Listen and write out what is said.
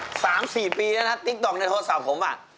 ของผมน่ะ๓๔ปีแล้วนะติ๊กต็อกในโทรศาสตร์ผมน่ะ